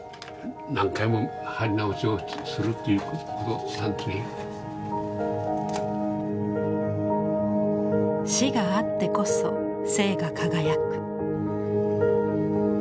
それは「死」があってこそ「生」が輝く。